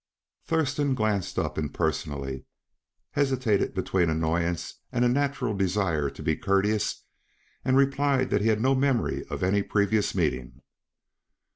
Thurston glanced up impersonally, hesitated between annoyance and a natural desire to, be courteous, and replied that he had no memory of any previous meeting.